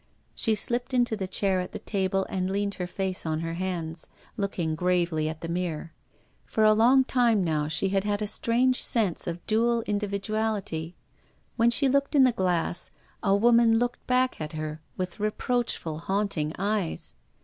She slipped into the chair at the table, and leaning her face on her hands, looked gravely at the mirror. For a long time now she had had a strange sense of dual individ uality. When she looked in the glass a woman looked back at her with reproachful, haunting eyes.